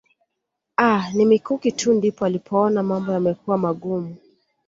Aah ni mikuki tu ndipo alipoona mambo yamekuwa magumu